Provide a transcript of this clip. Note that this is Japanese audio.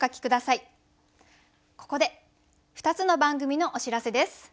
ここで２つの番組のお知らせです。